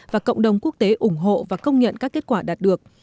và cộng đồng quốc tế ủng hộ và công nhận các kết quả đạt được